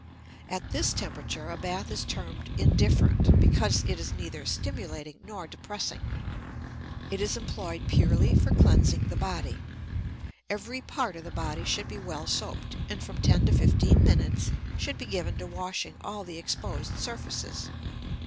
At this temperature a bath is termed "indifferent," because it is neither stimulating nor depressing; it is employed purely for cleansing the body. Every part of the body should be well soaped, and from ten to fifteen minutes should be given to washing all the exposed surfaces.